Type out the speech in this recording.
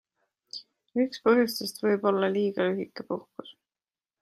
Üks põhjustest võib olla liiga lühike puhkus.